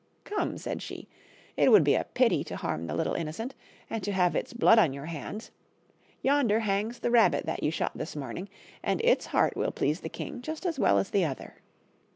" Come," said she, " it would be a pity to harm the little innocent, and to have its blood on your hands. Yonder hangs the rabbit that you shot this morning, and its heart will please the king just as well as the other."